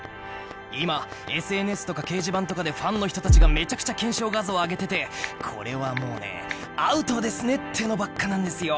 今ＳＮＳとか掲示板とかでファンの人たちがめちゃくちゃ検証画像上げててこれはもうねアウトですねってのばっかなんですよ。